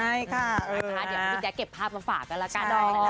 เดี๋ยวพี่แด๊กเก็บภาพมาฝากกันล่ะ